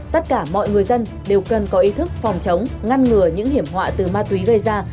tất cả mọi người dân đều cần có ý thức phòng chống ngăn ngừa những hiểm họa từ ma túy gây ra